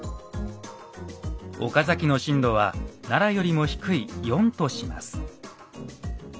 岡崎の震度は奈良よりも低い「４」とします。